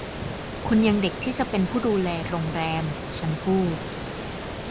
คุณยังเด็กที่จะเป็นผู้ดูแลโรงแรม” ฉันพูด